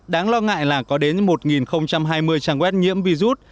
đáng lo ngại là có đến một hai mươi trang web nhiễm virus